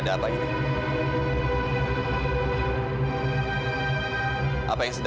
saya bisa melakukannya mystery